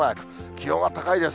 気温は高いです。